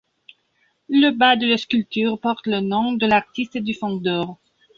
Le bas de la sculpture porte le nom de l'artiste et du fondeur.